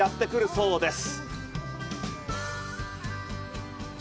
そうです。